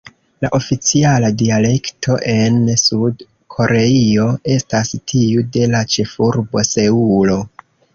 La oficiala dialekto en Sud-Koreio estas tiu de la ĉefurbo Seulo.